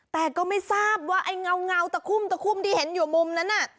แต่ก็ไม่ทราบว่าไอ้เงาตะคุมที่เห็นอยู่มุมนั้น